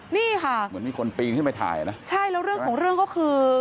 นี่ค่ะเหมือนมีคนปีนขึ้นไปถ่ายนะใช่แล้วเรื่องของเรื่องก็คือ